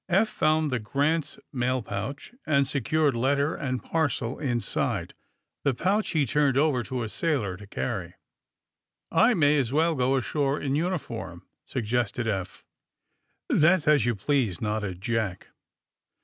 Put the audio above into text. Eph found the ^^ Grant's'^ mail pouch, and secured letter and parcel inside. The pouch he turned over to a sailor to carry. ^^I may as well go ashore in uniform/' sug gested Eph. ^'That's as you please," nodded Jack.